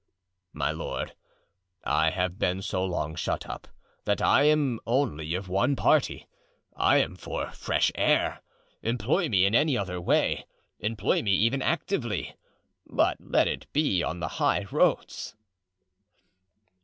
"My lord, I have been so long shut up, that I am only of one party—I am for fresh air. Employ me in any other way; employ me even actively, but let it be on the high roads."